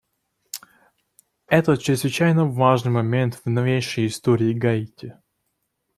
Это чрезвычайно важный момент в новейшей истории Гаити.